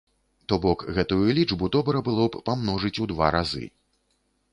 То бок, гэтую лічбу добра было б памножыць у два разы.